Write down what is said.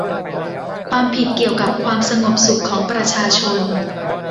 ความผิดเกี่ยวกับความสงบสุขของประชาชน